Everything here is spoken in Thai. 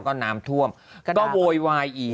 ก็น้ำท่วมก็โวยวายอีก